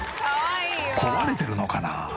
壊れてるのかな？